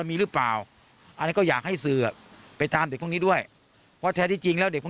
มีหรือเปล่าอันนี้ก็อยากให้สื่อไปตามเด็กพวกนี้ด้วยเพราะแท้ที่จริงแล้วเด็กพวก